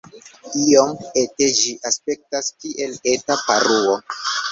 Iom ete ĝi aspektas, kiel eta paruo.